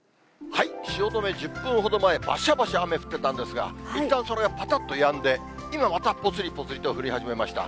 汐留、１０分ほど前、ばしゃばしゃ雨降ってたんですが、いったん、それがぱたっとやんで、今また、ぽつりぽつりと降り始めました。